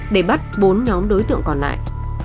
để bắt bốn nhóm đối tượng còn lại